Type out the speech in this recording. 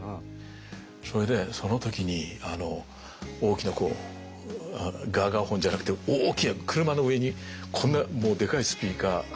それでその時に大きなこうガーガーホンじゃなくて大きな車の上にこんなでかいスピーカー。